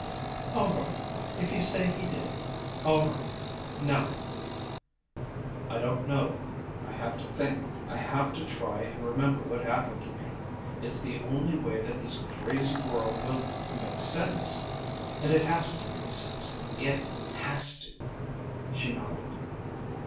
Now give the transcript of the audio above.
"All right. If you say he did. All right. Now what?" "I don't know. I have to think. I have to try and remember what happened to me. It's the only way that this crazy whirl will make sense, and it has to make sense. It has to." She nodded.